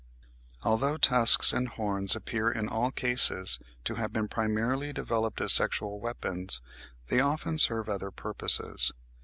Although tusks and horns appear in all cases to have been primarily developed as sexual weapons, they often serve other purposes.